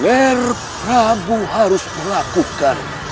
ger prabu harus melakukan